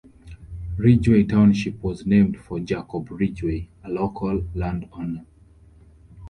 Ridgway Township was named for Jacob Ridgway, a local landowner.